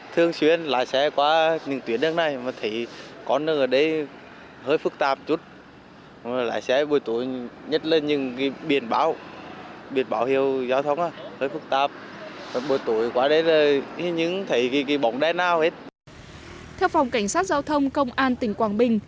theo phòng cảnh sát giao thông công an tỉnh quảng bình